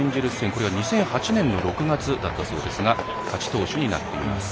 これは２００８年の６月だったそうですが勝ち投手になっています。